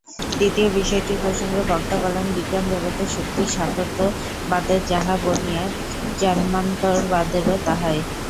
দ্বিতীয় বিষয়টির প্রসঙ্গে বক্তা বলেন, বিজ্ঞান-জগতে শক্তি-সাতত্যবাদের যাহা বনিয়াদ, জন্মান্তরবাদেরও তাহাই।